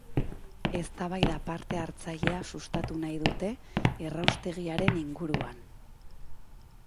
Eztabaida parte hartzailea sustatu nahi dute erraustegiaren inguruan.